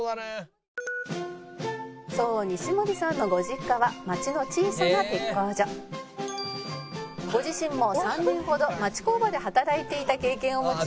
「そう西森さんのご実家は町の小さな鉄工所」「ご自身も３年ほど町工場で働いていた経験を持ち」